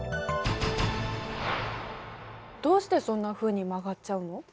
どうしてそんなふうに曲がっちゃうの？